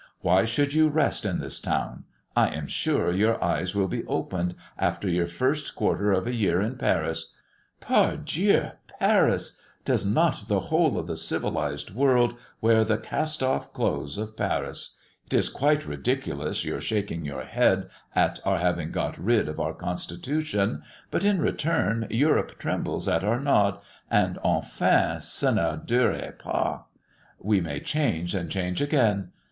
Why should you rest in this town? I am sure your eyes will be opened after your first quarter of a year in Paris. Par Dieu, Paris! Does not the whole of the civilised world wear the cast off clothes of Paris? It is quite ridiculous your shaking your head at our having got rid of our constitution; but in return Europe trembles at our nod, and enfin ça ne durera pas. We may change and change again.